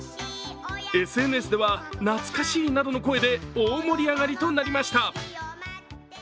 ＳＮＳでは、懐かしいなどの声で大盛り上がりとなりました。